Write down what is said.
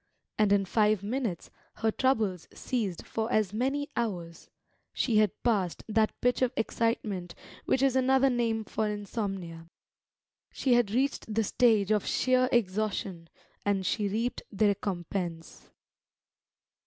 And in five minutes her troubles ceased for as many hours; she had passed that pitch of excitement which is another name for insomnia; she had reached the stage of sheer exhaustion, and she reaped the recompense.